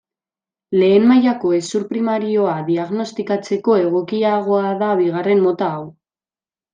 Lehen mailako hezur primarioa diagnostikatzeko egokiagoa da bigarren mota hau.